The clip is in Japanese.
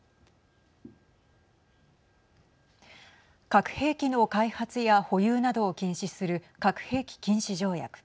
核兵器の開発や保有などを禁止する核兵器禁止条約。